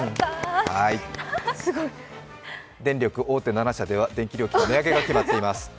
電力大手７社では電気料金値上げが決まっています。